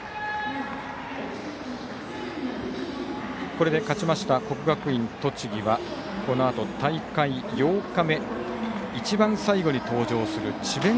これで勝ちました国学院栃木はこのあと、大会８日目一番最後に登場する智弁